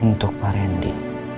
untuk pak randy